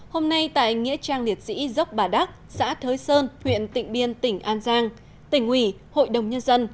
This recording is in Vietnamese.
hôm nay tại nghĩa trang liệt sĩ dốc bà đắc xã thới sơn huyện tịnh biên tỉnh an giang tỉnh ủy hội đồng nhân dân